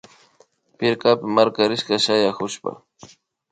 Pirkapi markarirka shayakushpa